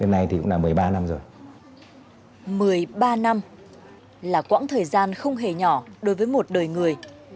một mươi ba năm là quãng thời gian không hề nhỏ đối với một đời người